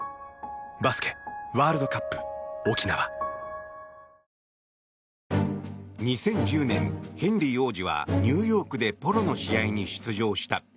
香りに驚くアサヒの「颯」２０１０年、ヘンリー王子はニューヨークでポロの試合に出場した。